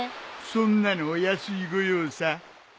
そんなのお安いご用さ。